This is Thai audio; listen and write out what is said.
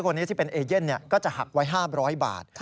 คนนี้ที่เป็นเอเย่นก็จะหักไว้๕๐๐บาท